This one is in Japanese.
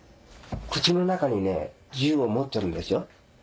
口の中にね銃を持ってるんですよ。